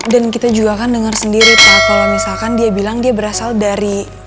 dan kita juga kan dengar sendiri pak kalau misalkan dia bilang dia berasal dari istana rakyat